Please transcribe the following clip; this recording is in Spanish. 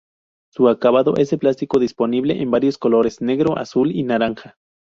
Su acabado es de plástico disponible en varios colores: negro, azul y naranja.